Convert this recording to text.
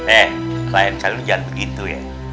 eh lain kali lo jangan begitu ya